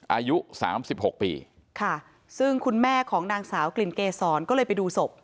อายุสามสิบหกปีค่ะซึ่งคุณแม่ของนางสาวกลิ่นเกษรก็เลยไปดูศพ